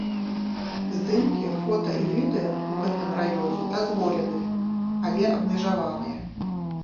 Здымкі фота і відэа ў гэтым раёне дазволеныя, але абмежаваныя.